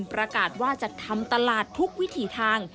ประกาศว่าจะทำตลาดทุกวิถีทาง